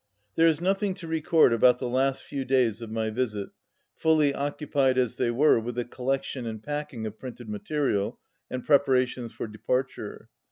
There is nothing to record about the last few days of my visit, fully occupied as they were with the collection and packing of printed material and preparations for departure.